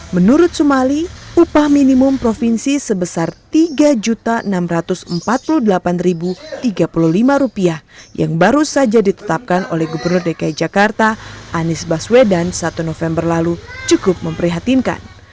menurut sumali upah minimum provinsi sebesar rp tiga enam ratus empat puluh delapan tiga puluh lima yang baru saja ditetapkan oleh gubernur dki jakarta anies baswedan satu november lalu cukup memprihatinkan